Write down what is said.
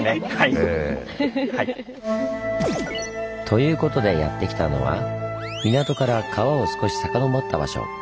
ということでやってきたのは港から川を少し遡った場所。